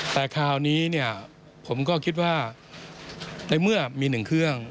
แต่คราวนี้เนี่ยผมก็คิดว่าในเมื่อมี๑เครื่อง